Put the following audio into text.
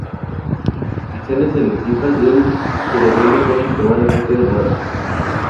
Las lesiones selectivas del cerebelo son extremadamente raras.